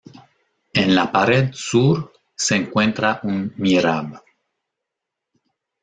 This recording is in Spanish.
En la pared sur se encuentra un mihrab.